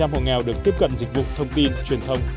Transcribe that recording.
một trăm linh hộ nghèo được tiếp cận dịch vụ thông tin truyền thông